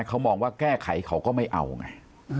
เขามองว่าแก้ไขเขาก็ไม่เอาไง